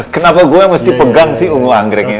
kenapa gua yang harus dipegang sih ungu anggreknya